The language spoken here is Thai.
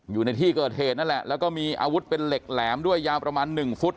อยู่ในที่เกิดเหตุนั่นแหละแล้วก็มีอาวุธเป็นเหล็กแหลมด้วยยาวประมาณ๑ฟุต